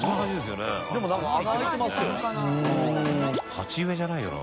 鉢植えじゃないよな？